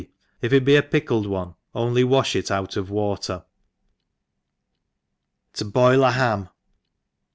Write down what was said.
If it be a pickled one, pnly wafh it out of ,water. To boil a Ham.